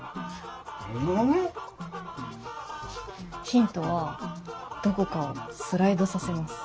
ヒントはどこかをスライドさせます。